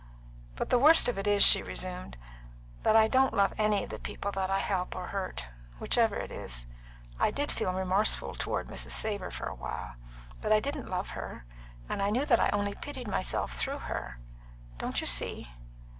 "But the worst of it is," she resumed, "that I don't love any of the people that I help, or hurt, whichever it is. I did feel remorseful toward Mrs. Savor for a while, but I didn't love her, and I knew that I only pitied myself through her. Don't you see?"